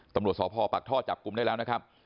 ตำรวจสพปักท่อจับกลุ่มได้แล้วนะครับ